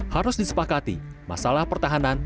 harus disepakati masalah pertahanan